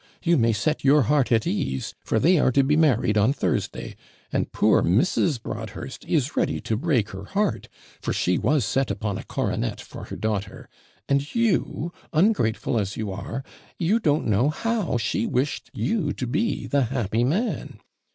You may set your heart at ease, for they are to be married on Thursday; and poor Mrs. Broadhurst is ready to break her heart, for she was set upon a coronet for her daughter; and you, ungrateful as you are, you don't know how she wished you to be the happy man.